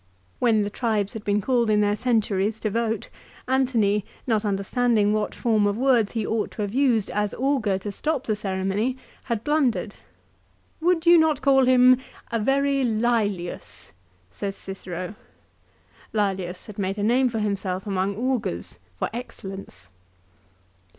When the tribes had been called in their centuries to vote, Antony, not understanding what form of words he ought to have used as augur to stop the ceremony, had blundered. " Would you not call him a very Lselius ?" says Cicero. Lselius had made for himself a name among augurs for excellence.